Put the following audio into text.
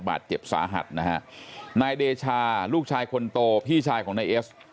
บาดเจ็บสาหัสนะฮะนายเดชาลูกชายคนโตพี่ชายของนายเอส